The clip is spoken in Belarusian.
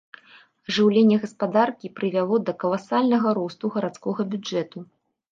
Ажыўленне гаспадаркі прывяло да каласальнага росту гарадскога бюджэту.